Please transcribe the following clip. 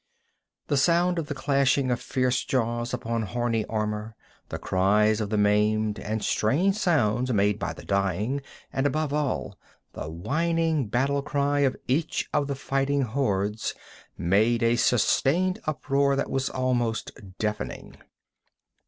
The sound of the clashing of fierce jaws upon horny armor, the cries of the maimed, and strange sounds made by the dying, and above all, the whining battle cry of each of the fighting hordes, made a sustained uproar that was almost deafening.